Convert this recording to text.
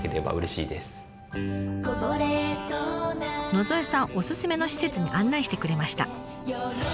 野添さんおすすめの施設に案内してくれました。